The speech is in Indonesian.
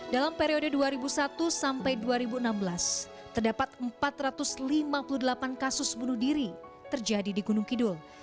dalam periode dua ribu satu sampai dua ribu enam belas terdapat empat ratus lima puluh delapan kasus bunuh diri terjadi di gunung kidul